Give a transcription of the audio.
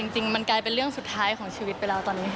จริงมันกลายเป็นเรื่องสุดท้ายของชีวิตไปแล้วตอนนี้